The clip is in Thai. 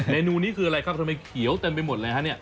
เนนูนี้คืออะไรครับทำไมเขียวเต็มไปหมดเลยฮะเนี่ย